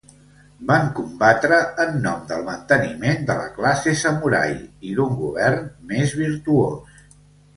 Van combatre en nom del manteniment de la classe samurai i d'un govern més virtuós.